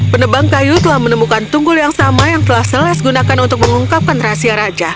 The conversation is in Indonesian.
penebang kayu telah menemukan tunggul yang sama yang telah seles gunakan untuk mengungkapkan rahasia raja